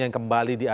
yang kembali diajukan